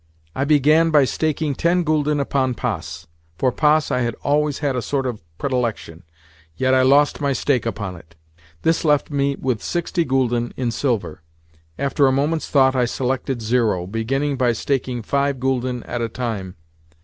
I began by staking ten gülden upon passe. For passe I had always had a sort of predilection, yet I lost my stake upon it. This left me with sixty gülden in silver. After a moment's thought I selected zero—beginning by staking five gülden at a time.